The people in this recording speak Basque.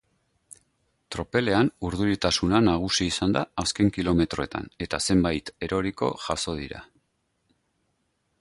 Tropelean urduritasuna nagusi izan da azken kilometroetan eta zenbait eroriko jazo dira.